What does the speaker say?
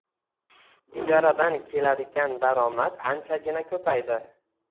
Ijaradan keladigan daromad anchagina ko`paydi